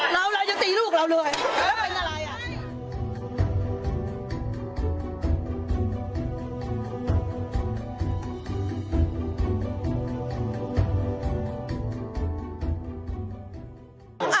เราจะตีลูกเราด้วยแล้วเป็นอะไร